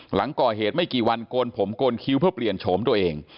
หลังก่อเหตุไม่กี่วันโกนผมโกนคิ้วเพื่อเปลี่ยนโฉมตัวเอง